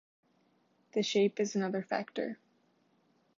The shape is another factor.